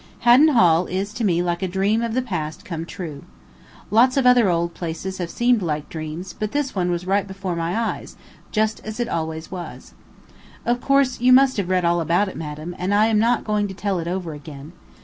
Haddon Hall is to me like a dream of the past come true. Lots of other old places have seemed like dreams, but this one was right before my eyes, just as it always was. Of course, you must have read all about it, madam, and I am not going to tell it over again.